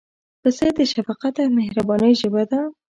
پسه د شفقت او مهربانۍ ژبه ده.